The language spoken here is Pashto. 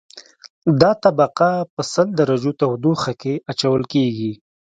دا طبقه په سل درجو تودوخه کې اچول کیږي